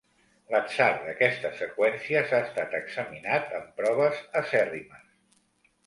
L'atzar d'aquestes seqüències ha estat examinat amb proves acèrrimes.